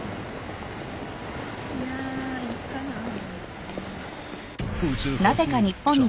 いやいっかなぁ。